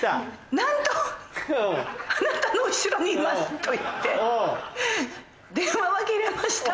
なんと「あなたの後ろにいます」と言って電話は切れました。